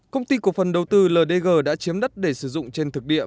công ty cổ phần đầu tư ldg đã chiếm đất để sử dụng trên thực địa